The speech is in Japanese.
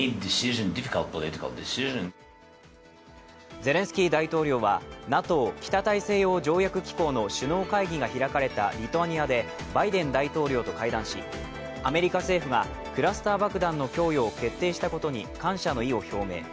ゼレンスキー大統領はＮＡＴＯ＝北大西洋条約機構の首脳会議が開かれたリトアニアでバイデン大統領と会談し、アメリカ政府がクラスター爆弾の供与を決定したことに感謝の意を表明。